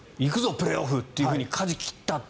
プレーオフとかじを切ったと。